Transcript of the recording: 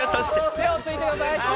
手をついてください。